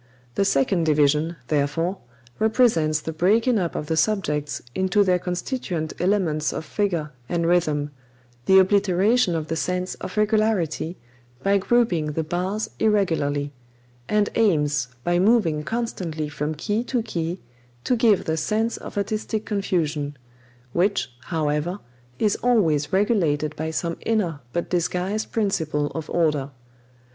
The second division, therefore, represents the breaking up of the subjects into their constituent elements of figure and rhythm, the obliteration of the sense of regularity by grouping the bars irregularly; and aims, by moving constantly from key to key, to give the sense of artistic confusion; which, however, is always regulated by some inner but disguised principle of order.